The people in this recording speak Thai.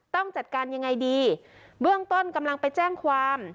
ต้องจัดการยังไงดีเบื้องต้นกำลังไปแจ้งความ